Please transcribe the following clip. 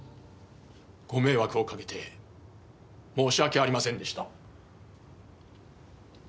ご迷惑をかけて申し訳ありませんでした。